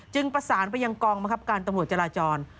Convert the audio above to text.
จึงประสานไปยังกองมากับการตรวจจราจร